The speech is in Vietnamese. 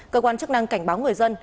cơ quan chức năng cảnh báo người dân